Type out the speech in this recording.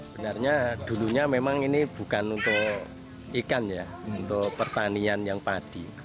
benarnya dulunya memang ini bukan untuk ikan ya untuk pertanian yang padi